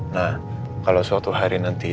nah kalau suatu hari nanti